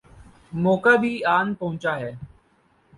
موقع بھی آن پہنچا ہے۔